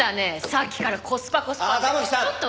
さっきからコスパコスパって。